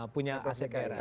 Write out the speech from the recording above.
punya aset daerah